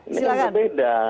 ini agak beda